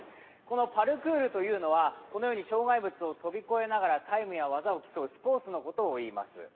パルクールというのは、このように障害物を跳び越えながらタイムや技を競うスポーツのことをいいます。